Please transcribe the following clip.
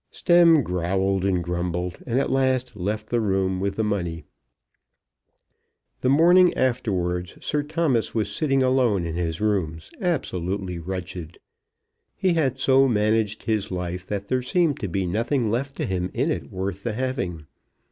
Stemm growled and grumbled, and at last left the room with the money. The morning afterwards Sir Thomas was sitting alone in his room absolutely wretched. He had so managed his life that there seemed to be nothing left to him in it worth the having.